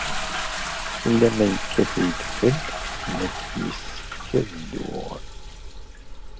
Ula ma yekkat wedfel, nekk yessefk ad dduɣ.